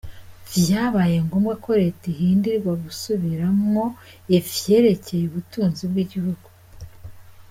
Vyabaye ngombwa ko reta ihindirwa gusubiramwo ivyerekeye ubutunzi bw'igihugu.